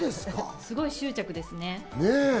すごい執着ですね。